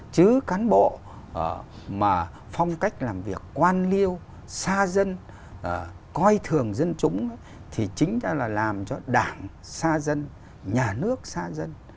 chứ cán bộ mà phong cách làm việc quan liêu xa dân coi thường dân chúng thì chính là làm cho đảng xa dân nhà nước xa dân